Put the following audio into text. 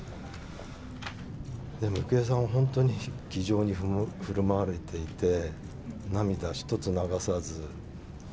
でも郁恵さんは本当に気丈にふるまわれていて、涙一つ流さず。